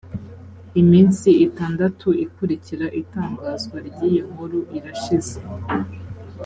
iminsi itandatu ikurikira itangazwa ry’iyo nkuru irashize